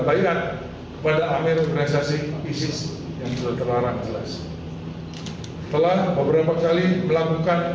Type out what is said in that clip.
bayat pada amir organisasi isis yang sudah terlarang jelas telah beberapa kali melakukan